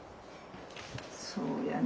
そうやね。